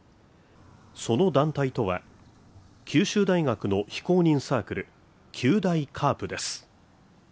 その団体とは九州大学の非公認サークル、九大ＣＡＲＰです。